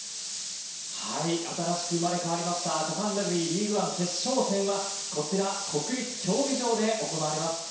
新しく生まれ変わりましたジャパンラグビーリーグワン決勝戦が国立競技場で行われます。